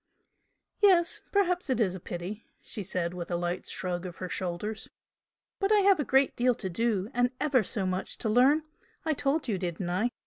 "Yes perhaps it is a pity!" she said, with a light shrug of her shoulders "But I have a great deal to do, and ever so much to learn. I told you, didn't I?